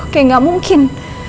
kayak gak mungkin